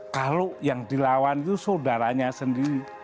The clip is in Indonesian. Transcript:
kalau yang dilawan itu saudaranya sendiri